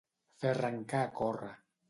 Fer arrencar a córrer.